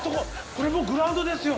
これもうグラウンドですよ。